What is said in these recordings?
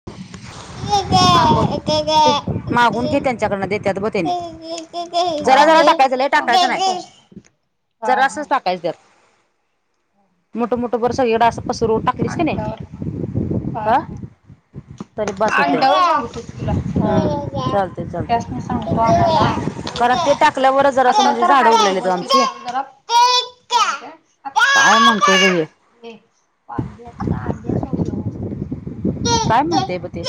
[inaudible] हां बोल. ते मागून घे त्यांच्याकडनं देतात ब त्यांनी जरा जरा टाकायचं लय [unintelligible] हां... टाकायचं [unintelligible] हां.. कायतर मुठ -मुठभर सगळीकडं असं पसरून टाकलीस का नाही? आणल्यावर हा अं तरी बास हुतया. आणल्यावर सांगतो तुला हं हा चालतंय त्यासनी सांगतो आणायला -चालतय. कारण ते टाकल्यावरच जर असं आता म्हणजे तर हाय झाडं उगल्यालीत ग व्यवस्थित आमची. [unintelligible] काय म्हणतंय बई ह्या. ए वांगी आत्ता आणल्या सोड व्यवस्थीत सगळं. काय म्हणतंय बग ते.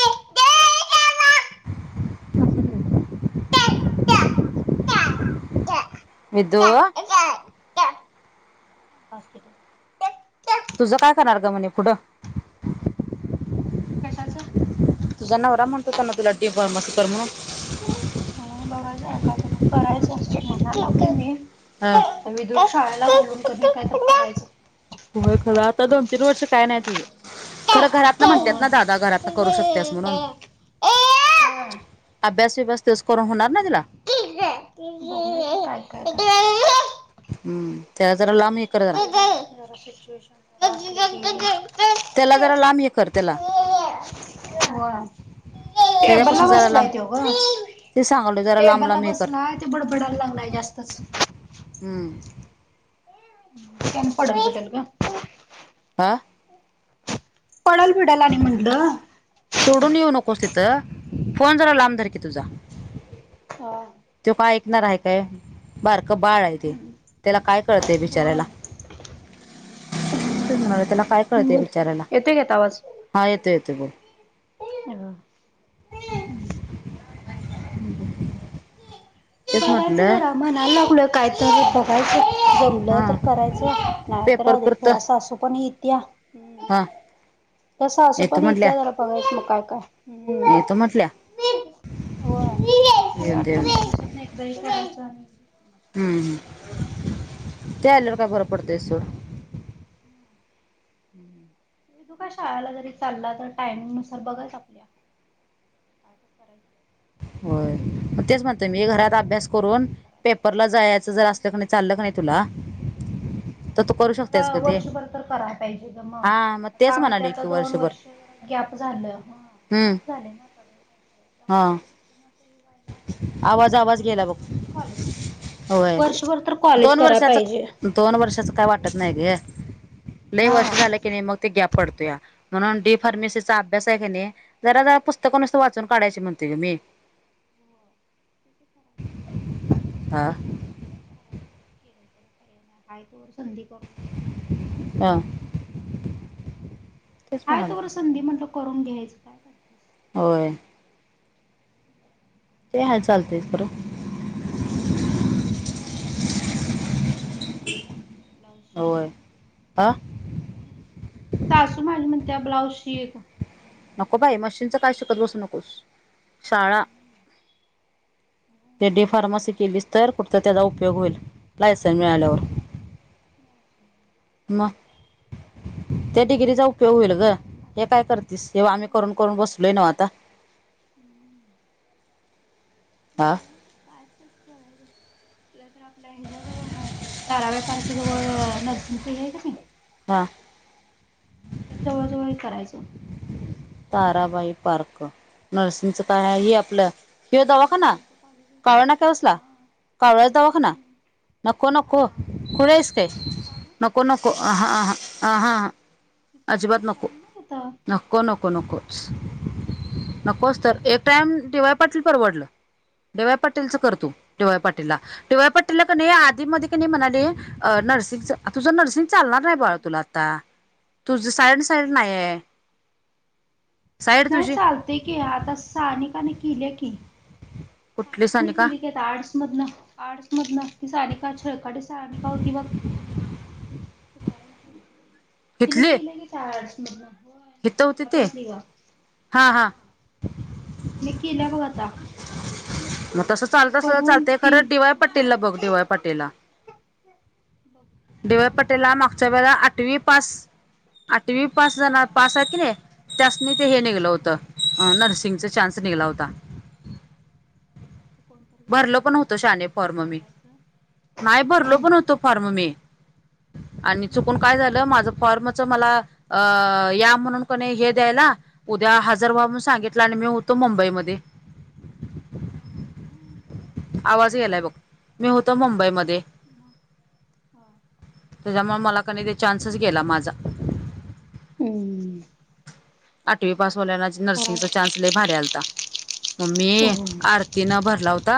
[unintelligible] विद्दू... [unintelligible] तुझं काय करणार ग? मग पुढं? कशाच? तुझा नवरा म्हणत होता ना तुला. डी फार्मस कर म्हणून. हो. बघायलोय आता करायच. म्हणाय लागलोय मी. हा. वेदुला शाळेला घालून. तू बी काय तर करायचं. होय खरं आता दोन, तीन वर्ष काय नाही तुझ. खरं घरातन होय. म्हणतात ना होय. दादा घरातन करू शक त्यास म्हणून. बघूया अभ्यास बीभ्यास तस करून होणार नाही तुला. ठीक आहे. [unintelligible] हम्. त्याला जरा लांब हे कर जरा. [unintelligible] त्याला जरा लांब हे कर त्याला. व्हय. टेबलला त्याच्यापासून जरा बसलाय लांब तो ग. ते सांगलोय. जरा लांब टेबलला लांब हे कर बसलाय. ते बडबडायला लागलाय जास्तच. हम्म. ते आणि पडलं बिडल ग. हा. पडल बीडल आणि म्हणलं. सोडून येऊ नकोस तिथं. फोन जरा लांब धर की तुझा. हा. तो काय ऐकणार आहे काय. बारक बाळ आहे ते, त्याला काय कळतय होय बिचाऱ्याला. तेच म्हणालोय त्याला कळते बोल बिचाऱ्याला. येतोय का आता हा येतो येतोय बोल. हॅलो. [unintelligible] तेच बघायचं म्हटलं जरा, म्हणाय लागलोय कायतर बघायचं. जमलं हा तर करायचं नाही तर पेपर राहूदे. पुरतं घरात सासूपण येत्या. हम. हा सासू येतो पण म्हटल्या इथ्या जरा बघायच मग कायतर. येतो म्हटल्या. येऊ दे. येऊ दे. दही करायचं आणून. हम्म. ते आल्यावर काय बरं पडतंय सोड. [unintelligible] हम. तो काय शाळेला जरी चालला. तर टाइमिंग नुसार बघायच आपल्या. करायच. होय. तेच म्हणते मी करायचं घरात नाहीतर अभ्यास करून हे करायचं. पेपरला जायचं जर असलं कणी चालल का नाही तुला. तर तू करू शकतेस करा ग ते. वर्षभर तर कराय पाहिजे ग हा मग तेच का माहिती म्हणाले की दोन वर्षभर. वर्ष आता जरा गॅप झालय. गॅप झाले ना आता. हां. म्हणून ते वायफळ. हा. गेला बघ वर्षभर कॉलेज. होय वर्षभर तर कॉलेज दोन करायला वर्षाच पाहिजे. दोन वर्षाच काय वाटत नाही ग. लय हा. वर्ष झालं की नाही मग, ते गॅप पडतोया म्हणून, डी फार्मसी चा अभ्यास आहे क नयी जरा जरा पुस्तक नुसत वाचून काढायची म्हणते मी [inaudible] [inaudible] हा आहे तोवर संधी करून घ्यायची आ हाय तोवर संधी म्हटल करून घ्यायच, काय [inaudible] होय ते हय चालतयस, ब्र सासू म्हणत्या शिलाई मशीन शिक, ब्लाऊज शिक होय हा सासू माझी म्हणत्या ब्लाउज शिक नको बाई मशीनच काय बघूया शिकत म्हणलं. बसू नकोस, शाळा ते डी फार्मसी केलीस तर त्याचा कुटतर उपयोग होईल लायसन मिळाल्यावर म, त्या डिगरीचा उप यो होइल ग हे काय करतीस, हे व्हा आम्ही करून करून बसलोय नव आता हम्, हा बघ काय तर करताय तर आपल्या हिच्याजवळ हाय ताराव्या पार्क जवळ नर्सिंगच हे का नायी हा म जवळजवळ करायच ताराबाई पार्क, नरसिंग चा हे आपल ह्यो दवाखाना, नर्सिंगच कॉलेज आहे तिथं काळना कसला हा कावळ्या दवाखाना हम्म नको नको हा कुढे हेस ते, का ग नको नको का ह ह अजिबात नको, चांगलं नाही येतं नक नको नको, नकोच, नकोच तर एक टाइम डिवाय पाटिल परवडल, डी वाय पटीलच हा कर तु, डी वाय पाटील ला डी वाय हा पाटील ला का नयी आधी नायी म्हणाले नर्सिंगच, तुझ असते नर्सिंग असते चालणार नायी बाळ हम्म तुला आता तुझ सायन साईड का नाइये नायी, चालते की आता साानिकाने केले की कुठली सानिकाने सानिका केली की, आता आर्टस मधन आर्ट्स मधन ती सानिका छळकाटे सानिका होती बघ? [inaudible] तिने हिथली किले की आर्टस मधन हित होती होय [inaudible] ते प्रसली ग, हा तिने केल्या बघ आता मग तस ते चालत अस, तर करून चालतेय खर तीन डी. वाय हा पाटील लला बघ डी. वाय पाटील ला [inaudible] डी. वाय बघतो पाटिल काय ला होतंय मागच्या वेळा बघ आठवी पास, आठवी पास जन हा पास आये कि नायी त्यासनी ते हे निघल होत, हा नर्सिंगचा चान्स निघला होता कोणत जरा भरलो ओळखीच असत की तर सांगायच नाय भरलो पण होतो फॉर्म मी आणि मग चुकून काय झाल माझ फॉर्म च मला अ या म्हणून का हे द्यायला उद्या हजर व्हा म्हणून हा सांगितल आणि मी होतो मुंबईमध्ये हम् हम्म आवाज गेलाय बघ, मी होतो मुंबईमदे मग होय त्याच्यामुळ मला कानी ते चान्स च गेला माझा अम आठवी पास होल्यान नर्सिंगचा चान्स लई भारी आलता म मी करायचं आ तिन भरला होता,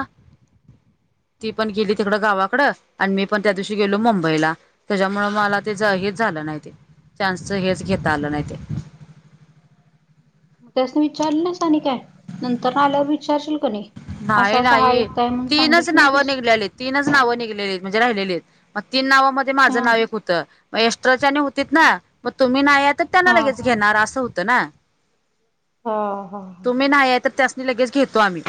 ती हो पण गेली तिकडं गावाकडं. आणि मी पण त्या दिवशी गेलो हो मुंबईला, त्याच्यामुळ मला तेहीर झालं नाही ते. चान्सच हेच घेता आलं नाही हो ते, मग त्यासनी विचारलं ना आणि काय, नंतर आल्यावर विचारशील क नाही. नाही नाही, तिनच नाव नव्हतीस निघलेली. तीनच नाव निघलेली म्हणजे राहिलेले, आहेत मग तीन नावामध्ये हा माझं नाव एक होतं. म एष्ट्राच्याने त हा ना मग तुम्ही नाही आ तर त्यांना हा लगेच घेणार असं होतं ना, हा हा तुम्ही नाहीय, तर त्यासनी लगेच घेतो आम्ही.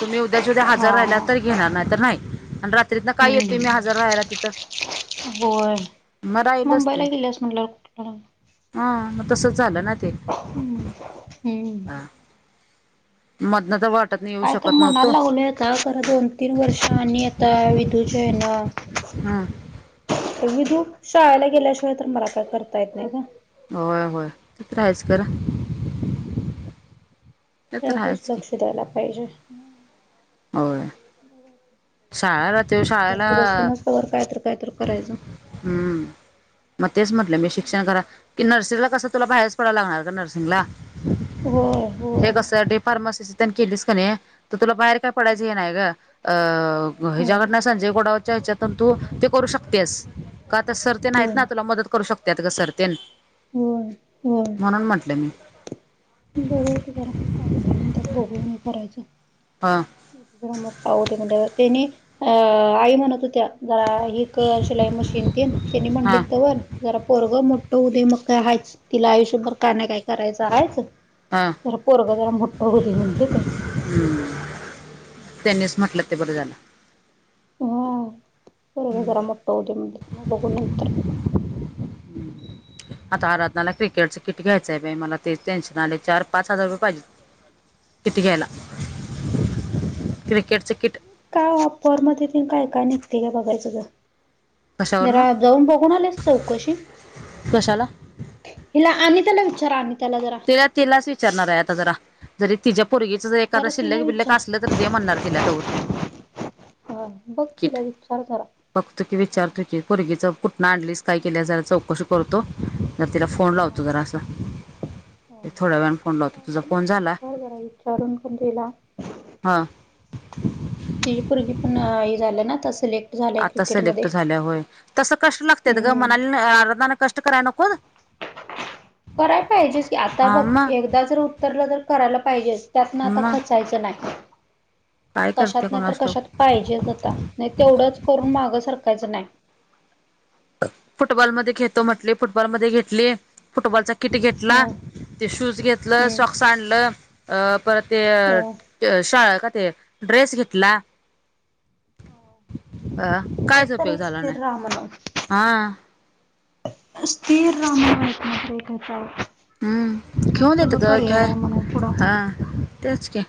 तुम्ही उद्या च्या उद्याच्या हजार राहियला हा तर घेणार नाही. तर नाही आणि रात्रीत ना काय येत हम्म मी हजर राहायला तिथं. होय,.. मग मुंबईला गेलीस म्हटलं कुठला. ह.. मग तस झालं ना? ते हम्म- हम्म, हा [unintelligible] वाटत नाही येऊ काय तर शकत मनाला नव्हतो लागल आता खरं दोन तीन वर्ष आणि आता विदूच्या आहे ना. हा. विधू शाळेला गेल्याशिवाय तर मला काय करता येत नाही, ग होय होय [unintelligible] करा ह् त्यावरच की लक्ष द्यायला पाहिजे होय, [unintelligible] घरात शाळेला बसूनच कायत कायत करायचं? हम्म, मग तेच म्हटलं मी शिक्षण करा, की नर्सिंगला कसं तुला बाहेरच पडायला लागणार का नर्सिंगला. हो, हे कससाठी फार्मासी त्यांनी का नाही, तर तुला बाहेर काय पडायचं हे नाय ग अ होय ह्याच्याकडन संजय गडावच्या ह्याच्यातून तू ते करू शकतेस. का आता सर्तेन आहेत होय ना तुला मदत करू शकत का सर्तेन होय म्हणून, म्हंटलं मी. बघ जरा का का म्हण त्यात बघून हे करायचं हं, ज मप्पा होते म्हणजे त्यानी अ आई म्हणत होत्या [unintelligible] ब जरा कर शिलाई मशीन त त्यानी म्हणली हा तंवर जरा पोरगं मोठं हो देय, मग काय आहे तिला आयुष्यभर काय नाही काय करायचं आहेच. हं. हो, जर पोरगं जरा मोठं होती म्हटली तर हम्.. त्यांनीच म्हटलं ते बरं झालं. हो.. पोरग जरा मोट होऊ दे मग बगूं नतर आता अराधना क्रिकेट च किट घ्यायचंय मला ते टेन्शन आले, चार पाच हजार रुपये पाहिजे, किती घ्यायला क्रिकेटच किट. का वापर मध्ये ते काय का निघते का बघायचं कशावर ना घरा जाऊन आलेतं चौकशी कशाला हिला अनिताला विचारा अनिताला जरा तेला तिलाच विचारणार आहे, आता जरा जरी तिच्या पुर्गीचं ज एखादा जरा तिला शिल्लक बिल्लक विचार असलं तरी ते म्हणणार तिला हा बघं तिला किट विचार जरा. बघतो की विचारतो हा की पूरगीच कुठंन आणलीस काय केल्या जरा चौकशी करतो जरा तिला फोन लावतो जरा असं. हा थोड्या वेळाने फोन लावतो तुझा फोन झाला विचार जरा विचारून हं. ती पोरगी पण हे झाल्या ना आता सिलेक्ट. झालंय आता क्रिकेटमध्ये सिलेक्ट झाल्या होय, तस कष्ट लागत्यात ग हम्म म्हणाली [unintelligible] आर्धतान कष्ट कराय नकोत. करायला पाहिजेस की, आता हा बघं मग एकदा जर उत्तरलं तर करायला पाहिजेच त्यातन आता मग खचायचं नाही, काय करते कशात नाही तर कोणास ठाऊक कशात पाहिजेच होता. नाही तेवढंच करून मागं सरखायचं नाही. फुटबॉलमध्ये घेतो म्हंटली फुटबॉल मध्ये घेतली, फुटबॉलचा किट घेतला. ह ते शूज घेतलं हम्म सॉक्स आणलं, अ परत ते ते शाळेला ते, ड्रेस घेतला अ कायच एक तर उपयोग एक झाला नाही. स्थिर राहा म्हणाव हा स्थिर रहा [unintelligible] हम्म, घेऊन येत ग घ्याय, म्हणून पुढं हा तेच की.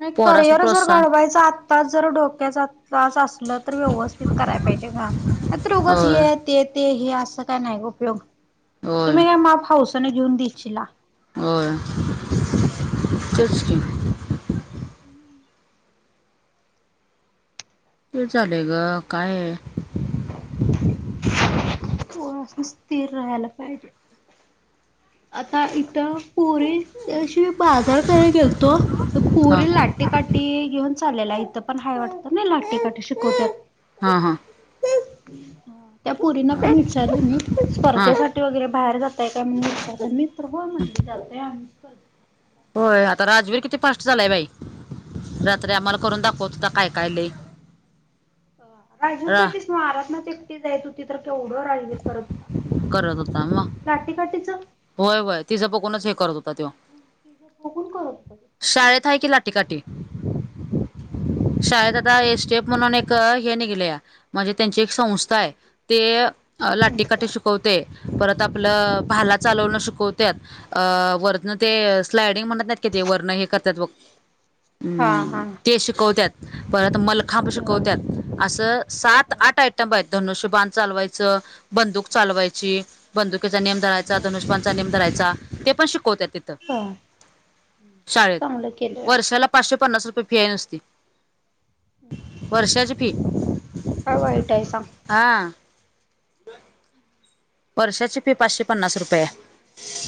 नाही पोरासनी करिअर जर प्रोत्साहन घडवायचं आत्ताच जर डोक्याचा तास असला तर व्यवस्थित कराय पाहिजे ना, नाहीतर उगाच होय हे ते ते हे असं काय नाही उपयोग, होय तुम्ही काय माप हाऊसनं घेऊन दिछिला होय, तेच की. तेच आलंय ग काय पोरांसनी स्थिर राहायला पाहिजे, आता इथं पोरी त्या दिवशी मी बाजार कराय गेलतो, तर हा पुरी लाटी काट टी घेऊन चाललेल्या इथं पण हाय वाटतं नई लाटीकाठी शिकवत्यात. हां -हां [inaudible] त्या पुरींना पण विचारलं मी हा स्पर्धेसा ठी वगैरे बाहेर जाताय काय म्हणून विचारल मी तर होय म्हणली जातोय आम्ही. स्पर्धेसाठी होय आता राजवीर किती फास्ट झालाय बाई, रात्री आम्हाला करून दाखवत हुता काय -काय लई. राजवीर पैटलीस [unintelligible] आराधना [unintelligible] ती जाईत होती तर केवढं राजवीर करत होता, करत होता मग लाटीकाटीच. होय -होय तिचं बघूनच हे करत होता त्यो. तिझं बगून करत होता त्यो. शाळेेत हाय कि लाटीकाटी, तो. शाळेेत आत ता आहे स्टेप म्हणून एक हे निघलयां म्हणजे त्यांची एक संस्था आहे, ते लाठीकाठी शिकवतय, परत आपलं भाला चालवणं शिकवत्यात, आ वरनं ते स्लायडिंग म्हणत नाही काय ते वरन हे करत्यात बघं, हा हम्म हा ते शिकवत्यात. परत मलखांब हा शिकवत्यात. असं सात-आठ आयटंब आहेत, धनुष्यबाण चालवाय च बंदूक चालवायची, बंदुकीचा नेम धरायचा, धनुष्यबाणचा नेम धरायचा. ते पण शिकवत्यात तिथं, हा ते शाळेत, चांगलं केलं वर्षाला पाचशे पन्नास रुपये फी आहे नुसती, वर्षाची फी. काय वाईट आहे सांग. हा. ब [inaudible] वर्षाची फी पाचशे पन्नास रुपये हाय.